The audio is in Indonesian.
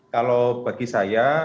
kalau bagi saya